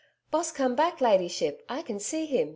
'Boss come back, Ladyship. I can see him.